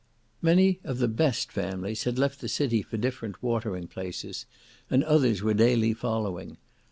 Many of the best families had left the city for different watering places, and others were daily following.